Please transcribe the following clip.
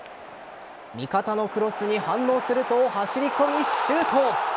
味方のクロスに反応すると走り込み、シュート。